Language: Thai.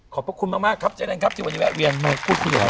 ขอบพระคุณมากครับเจ๊เล้งครับที่วันนี้แวะเรียงมาพูดคุณแหละ